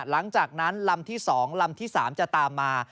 หลังจากนั้นลำที่๒ลำที่๓จะตามมา